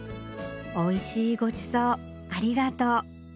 「おいしいごちそうありがとう」